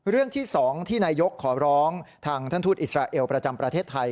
เรื่องที่๒ที่นายกขอร้องทางท่านทูตอิสราเอลประจำประเทศไทย